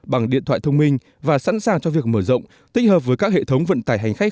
bằng điện thoại thông minh và sẵn sàng cho việc mở rộng tích hợp với các hệ thống vận tải hành khách